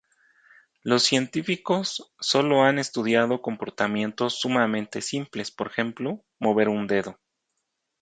Los científicos solo ha estudiado comportamientos sumamente simples, por ejemplo, mover un dedo.